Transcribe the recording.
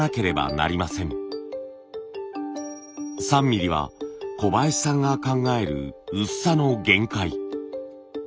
３ミリは小林さんが考える薄さの限界。